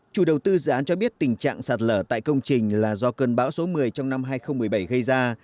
chủ đầu tư dự án cho biết tình trạng sạt lở tại công trình là do cơn bão số một mươi trong năm hai nghìn một mươi bảy gây ra